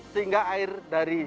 sehingga air dari